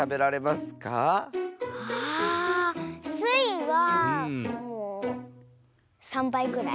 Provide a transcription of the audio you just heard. あっスイはもう３ばいぐらい。